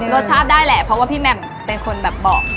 รสชาติได้แหละเพราะว่าพี่แหม่มเป็นคนแบบบอก